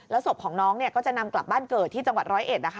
ศพของน้องก็จะนำกลับบ้านเกิดที่จังหวัดร้อยเอ็ดนะคะ